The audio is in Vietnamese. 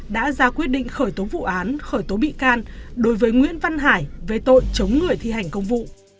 đã ra quyết định khởi tố vụ án khởi tố bị can đối với nguyễn văn hải về tội chống người thi hành công vụ